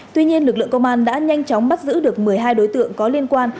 tuy nhiên lực lượng công an đã nhanh chóng bắt giữ được một mươi hai đối tượng có liên quan